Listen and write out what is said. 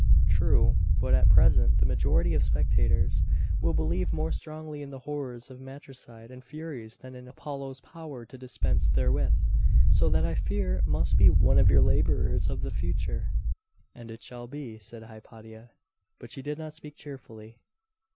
'True, but at present the majority of spectators will believe more strongly in the horrors of matricide and furies than in Apollo's power to dispense therewith. So that I fear must be one of your labours of the future.' 'And it shall be,' said Hypatia. But she did not speak cheerfully.